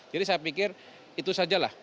jadi saya pikir itu sajalah